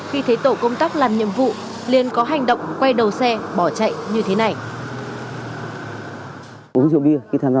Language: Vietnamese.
khi thấy tổ công tác làm nhiệm vụ liền có hành động quay đầu xe bỏ chạy như thế này